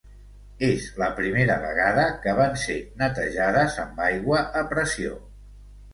És la primera vegada que van ser netejades amb aigua a pressió.